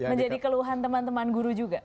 menjadi keluhan teman teman guru juga